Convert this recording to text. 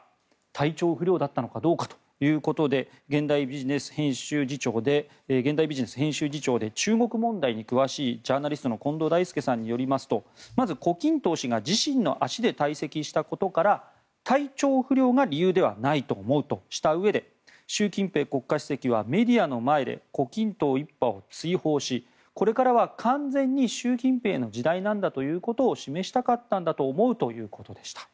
体調不良だったのかどうかということで現代ビジネス編集次長で中国問題に詳しいジャーナリストの近藤大介さんによりますとまず胡錦涛氏が自身の足で退席したことから体調不良が理由ではないと思うとしたうえで習近平国家主席はメディアの前で胡錦涛一派を追放しこれからは完全に習近平の時代なんだということを示したかったんだと思うということでした。